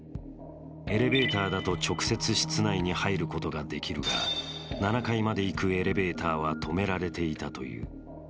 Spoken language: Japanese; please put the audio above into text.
エレベーターだと直接室内に入ることができるが７階まで行くエレベーターは止められていたという。